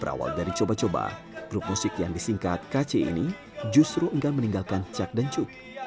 berawal dari coba coba grup musik yang disingkat kc ini justru enggan meninggalkan cak dan cuk